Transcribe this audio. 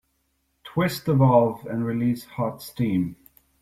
Twist the valve and release hot steam.